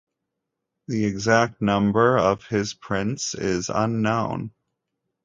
The exact number of his prints is unknown.